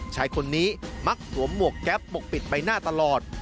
ชายคนนี้มักสวมหมวกแก๊ปปกปิดใบหน้าตลอด